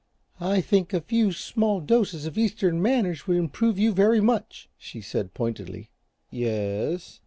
"I think a few small doses of Eastern manners would improve you very much," she said, pointedly. "Y e s?